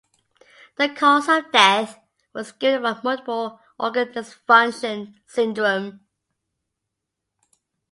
The cause of death was given as multiple organ dysfunction syndrome.